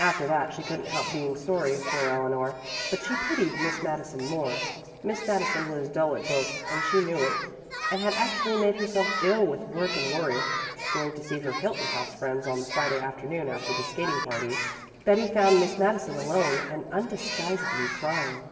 After that she couldn't help being sorry for Eleanor, but she pitied Miss Madison more. Miss Madison was dull at books and she knew it, and had actually made herself ill with work and worry. Going to see her Hilton House friends on the Friday afternoon after the skating party, Betty found Miss Madison alone and undisguisedly crying.